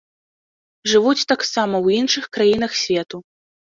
Жывуць таксама ў іншых краінах свету.